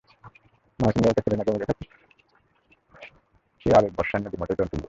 মার্কিন গায়িকা সেলেনা গোমেজের ক্ষেত্রে সেই আবেগ বর্ষায় নদীর মতোই টইটম্বুর।